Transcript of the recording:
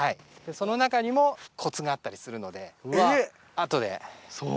その中にもコツがあったりするので。